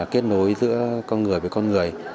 kết nối giữa con người với con người